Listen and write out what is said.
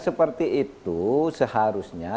seperti itu seharusnya